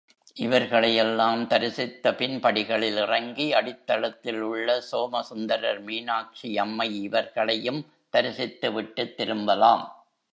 இவர்களையெல்லாம் தரிசித்த பின் படிகளில் இறங்கி அடித்தளத்தில் உள்ள சோமசுந்தரர் மீனாக்ஷியம்மை இவர்களையும் தரிசித்து விட்டுத் திரும்பலாம்.